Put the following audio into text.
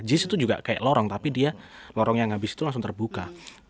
jis itu juga kayak lorong tapi dia lorong yang habis itu langsung terbuka